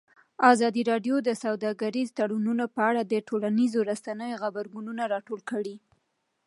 ازادي راډیو د سوداګریز تړونونه په اړه د ټولنیزو رسنیو غبرګونونه راټول کړي.